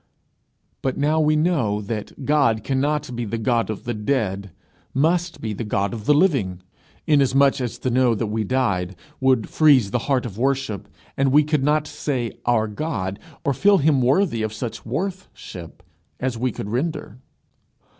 But now we know that God cannot be the God of the dead must be the God of the living; inasmuch as to know that we died, would freeze the heart of worship, and we could not say Our God, or feel him worthy of such worth ship as we could render.